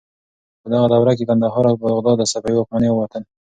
په دغه دوره کې کندهار او بغداد له صفوي واکمنۍ ووتل.